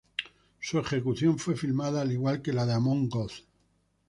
Su ejecución fue filmada al igual que la de Amon Göth.